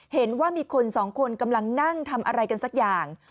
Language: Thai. เห็นว่ามีคนสองคนกำลังนั่งทำอะไรกันสักอย่าง